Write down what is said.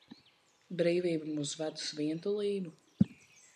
Brīvība mūs ved uz vientulību?